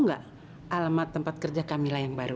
ini adalah manusia lewat awal berse operating system kamu